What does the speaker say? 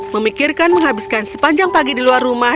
memikirkan menghabiskan sepanjang pagi di luar rumah